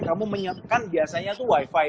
kamu kan biasanya itu wi fi